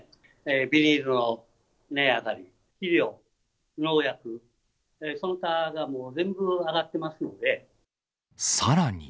ビニールの値上がり、肥料、農薬、その他がもう、全部上がっさらに。